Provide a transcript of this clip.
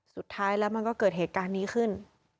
สุดท้ายแล้วมันก็เกิดเหตุการณ์นี้ขึ้น